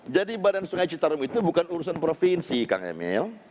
jadi badan sungai citarum itu bukan urusan provinsi kang emil